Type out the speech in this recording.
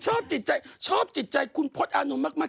ชอบจิตใจชอบจิตใจคุณพลอดอานุมมาก